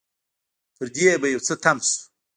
پر دې به يو څه تم شو.